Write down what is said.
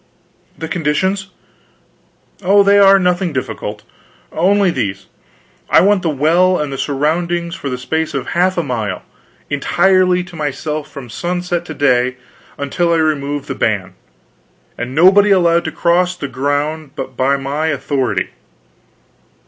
"The conditions " "Oh, they are nothing difficult. Only these: I want the well and the surroundings for the space of half a mile, entirely to myself from sunset to day until I remove the ban and nobody allowed to cross the ground but by my authority."